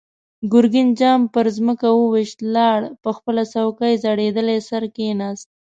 ګرګين جام پر ځمکه و ويشت، لاړ، په خپله څوکۍ زړېدلی سر کېناست.